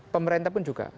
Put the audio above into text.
pemerintah pun juga